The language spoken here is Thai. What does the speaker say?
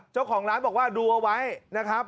เจ้าของร้านบอกว่าดูเอาไว้นะครับ